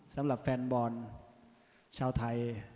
สำหรับแฟนบอลชาวไทย